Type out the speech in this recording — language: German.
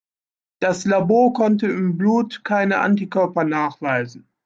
Das Labor konnte im Blut keine Antikörper nachweisen.